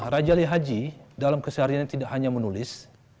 raja ali haji dalam kesehariannya tidak hanya menulis